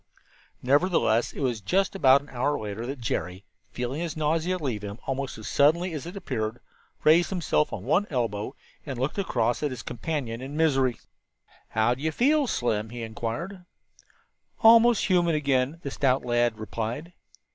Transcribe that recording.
Nevertheless, it was just about an hour later that Jerry, feeling his nausea leave him almost as suddenly as it had appeared, raised himself on one elbow and looked across at his companion in misery. "How do you feel, Slim?" he inquired. "Almost human again," the stout lad replied.